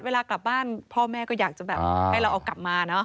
เวลากลับบ้านพ่อแม่ก็อยากจะแบบให้เราเอากลับมาเนอะ